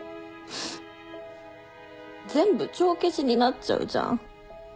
全部帳消しになっちゃうじゃん